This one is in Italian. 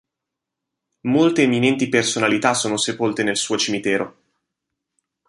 Molte eminenti personalità sono sepolte nel suo cimitero.